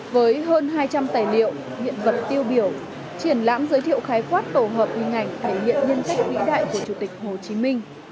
với hơn hai trăm linh tài liệu hiện vật tiêu biểu triển lãm giới thiệu khái phát tổ hợp uy ngành để hiện nhân sách vĩ đại của chủ tịch hồ chí minh